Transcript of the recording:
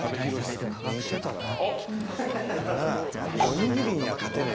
似てたね。